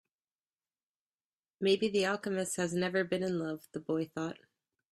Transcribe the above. Maybe the alchemist has never been in love, the boy thought.